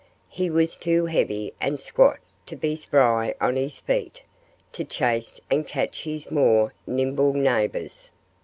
He was too heavy and squat to be spry on his feet to chase and catch his more nimble neighbors.